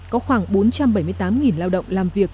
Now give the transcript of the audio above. có khoảng bốn trăm bảy mươi tám lao động làm việc